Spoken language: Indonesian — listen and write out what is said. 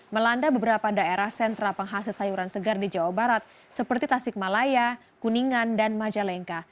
melanda beberapa daerah sentra penghasil sayuran segar di jawa barat seperti tasik malaya kuningan dan majalengka